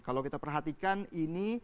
kalau kita perhatikan ini